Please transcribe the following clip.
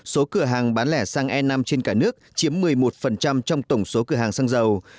số cửa hàng bán lẻ xăng e năm trên cả nước chiếm một mươi một trong tổng số cửa hàng xăng dầu